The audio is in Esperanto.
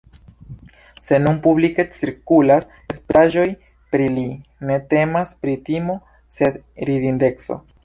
Se nun publike cirkulas spritaĵoj pri li, ne temas pri timo sed ridindeco.